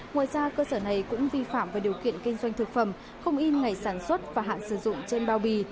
ngoài ra cơ sở này cũng vi phạm về điều kiện kinh doanh thực phẩm không in ngày sản xuất và hạn sử dụng trên bao bì